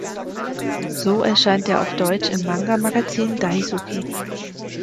So erscheint er auf Deutsch im Manga-Magazin "Daisuki".